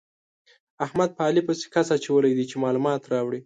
احمد په علي پسې کس اچولی دی چې مالومات راوړي.